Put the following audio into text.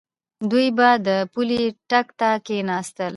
دوی به د پولۍ ټک ته کېناستل.